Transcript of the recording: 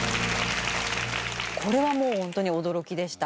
これはもうホントに驚きでした。